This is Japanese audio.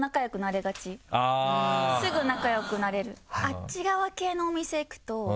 すぐ仲良くなれる。